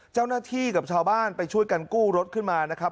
เจ้าหน้าที่กับชาวบ้านไปช่วยกันกู้รถขึ้นมานะครับ